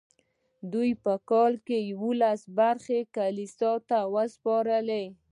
دوی په کال کې لسمه برخه کلیسا ته سپارله.